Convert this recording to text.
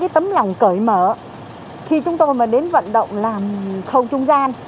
vậy tôi thấy là tâm lòng cởi mở khi chúng tôi mà đến vận động làm khâu trung gian